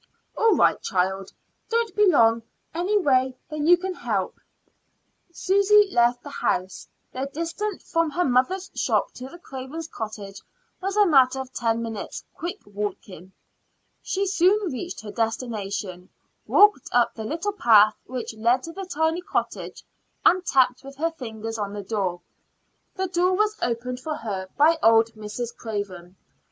"All right, child; don't be longer away than you can help." Susy left the house. The distance from her mother's shop to the Cravens' cottage was a matter of ten minutes' quick walking. She soon reached her destination, walked up the little path which led to the tiny cottage, and tapped with her fingers on the door. The door was opened for her by old Mrs. Craven. Mrs.